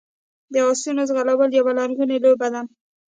د اسونو ځغلول یوه لرغونې لوبه ده.